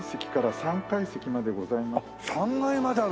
３階まであるの。